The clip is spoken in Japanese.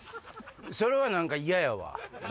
それは何か嫌やわ。